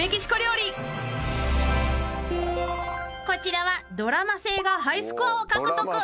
［こちらはドラマ性がハイスコアを獲得］